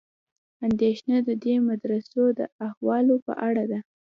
اندېښنه د دې مدرسو د احوالو په اړه ده.